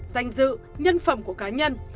danh dự nhân phẩm của cá nhân